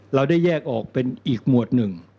เราได้แยกออกเป็นอีกหมวดหนึ่ง